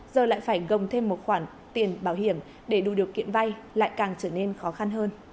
giờ lại phải gồng thêm một khoản tiền bảo hiểm để đủ điều kiện vay lại càng trở nên khó khăn hơn